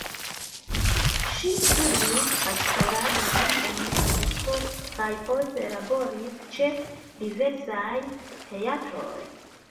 Ŝi studis aktoradon en Hamburgo kaj poste laboris ĉe diversaj teatroj.